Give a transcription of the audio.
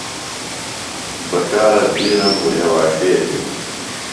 بکارہ بِھیلم اُڈھیواݜیتِم۔